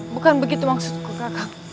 bukan begitu maksudku kakak